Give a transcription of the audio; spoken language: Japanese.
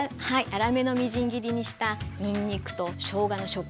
粗めのみじん切りにしたにんにくとしょうがの食感が楽しいたれです。